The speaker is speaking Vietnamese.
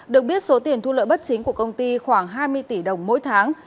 được biết số tiền thu lợi bất chính của công ty khoảng hai mươi tỷ đồng mỗi tháng